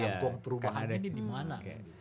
yang perubahan ini dimana